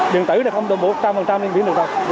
điện tử thì không đồng bộ một trăm linh điện tử được đâu